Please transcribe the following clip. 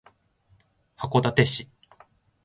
函館市